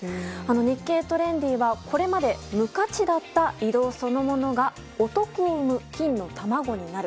「日経トレンディ」はこれまで無価値だった移動そのものがお得を生む金の卵になる。